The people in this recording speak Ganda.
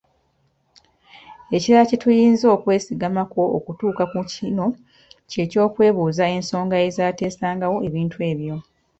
Ekirala kye tuyinza okwesigamako okutuuka ku kino ky’okyokwebuuza ensonga ezateesangawo ebintu ebyo